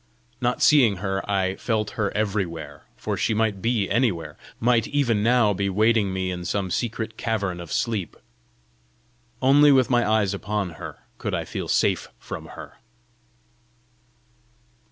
Not seeing her, I felt her everywhere, for she might be anywhere might even now be waiting me in some secret cavern of sleep! Only with my eyes upon her could I feel safe from her!